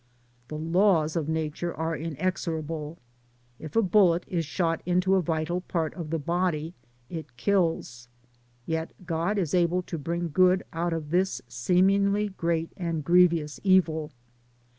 The laws of nature are inexorable. If a bullet is shot into a vital part of the body it kills. Yet God is able to bring good out of this seemingly great and grievous evil.